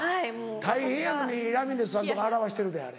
大変やのにラミレスさんとこは洗わしてるであれ。